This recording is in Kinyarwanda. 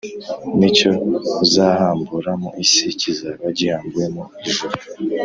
n’icyo uzahambura mu isi kizaba gihambuwe mu ijuru.”